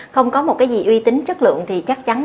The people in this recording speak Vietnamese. không có một cái gì uy tín chất lượng thì chắc chắn